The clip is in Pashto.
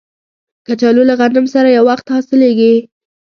کچالو له غنم سره یو وخت حاصلیږي